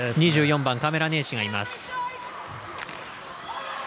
２４番カメラネーシがいます。